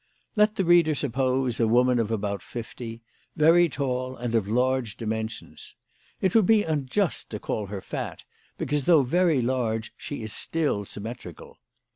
Let the reader suppose a woman of about fifty, very tall and of large dimen sions. It would be unjust to call her fat, because though very large she is still symmetrical.